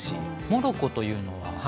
モロコというのは？